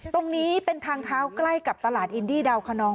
ตรงนี้เป็นทางเท้าใกล้กับตลาดอินดี้ดาวคนนอง